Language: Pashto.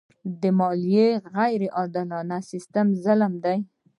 د مالیې غیر عادلانه سیستم ظلم دی.